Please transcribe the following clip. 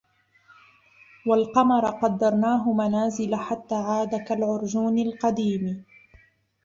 وَالقَمَرَ قَدَّرناهُ مَنازِلَ حَتّى عادَ كَالعُرجونِ القَديمِ